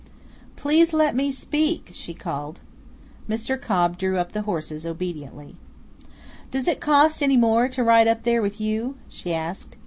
"Please let me speak!" she called. Mr. Cobb drew up the horses obediently. "Does it cost any more to ride up there with you?" she asked.